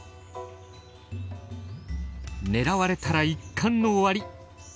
狙われたら一巻の終わり。